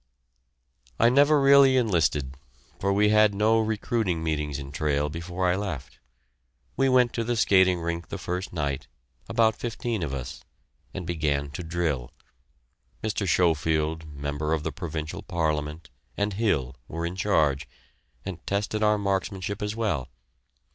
I never really enlisted, for we had no recruiting meetings in Trail before I left. We went to the skating rink the first night, about fifteen of us, and began to drill. Mr. Schofield, Member of the Provincial Parliament, and Hill were in charge, and tested our marksmanship as well.